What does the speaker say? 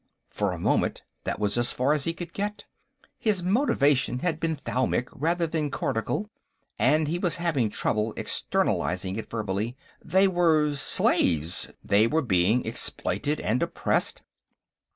For a moment, that was as far as he could get. His motivation had been thalamic rather than cortical and he was having trouble externalizing it verbally. "They were slaves. They were being exploited and oppressed...."